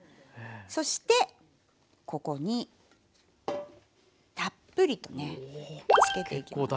そしてここにたっぷりとねつけていきます。